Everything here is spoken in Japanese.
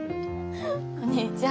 お兄ちゃん。